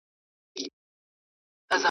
په توبه د خپل سرور سو